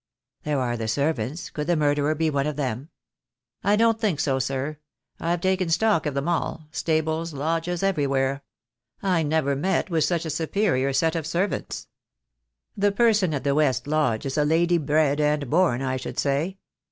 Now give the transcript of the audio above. "There are the servants. Could the murderer be one of them?" "I don't think so, sir. I've taken stock of them all — stables — lodges — everywhere. I never met with such a superior set of servants. The person at the west lodge is a lady bred and born, I should say.